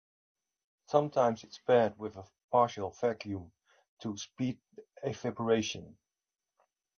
Sometimes it is paired with a partial-vacuum, to speed evaporation.